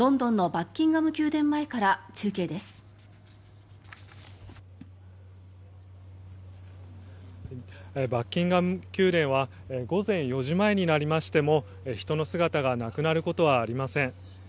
バッキンガム宮殿は午前４時前になりましても人の姿がなくなることはありません。